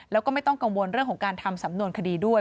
แล้วก็ไม่ต้องกังวลเรื่องของการทำสำนวนคดีด้วย